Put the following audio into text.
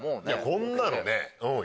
こんなのね。